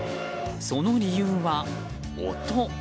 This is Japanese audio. その理由は、音。